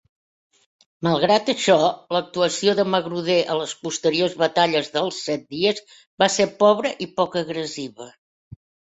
Malgrat això, l'actuació de Magruder a les posteriors Batalles dels Set Dies va ser pobra i poc agressiva.